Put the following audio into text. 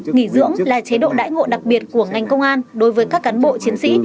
nghỉ dưỡng là chế độ đãi ngộ đặc biệt của ngành công an đối với các cán bộ chiến sĩ